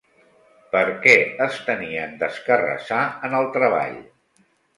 Per què es tenien d'escarrassar en el treball